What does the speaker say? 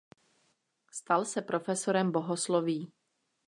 Stal se profesorem bohosloví.